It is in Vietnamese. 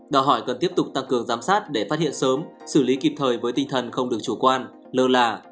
đòi hỏi cần tiếp tục tăng cường giám sát để phát hiện sớm xử lý kịp thời với tinh thần không được chủ quan lơ là